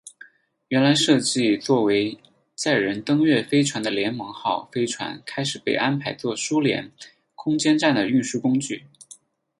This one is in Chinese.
原来设计做为载人登月飞船的联盟号飞船开始被安排做苏联空间站的运输工具。